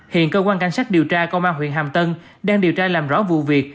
hiện cơ quan cảnh sát điều tra công an huyện hàm tân đang điều tra làm rõ vụ việc